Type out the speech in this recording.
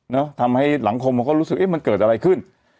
ทำให้สังคมเขาก็รู้สึกเอ๊ะมันเกิดอะไรขึ้น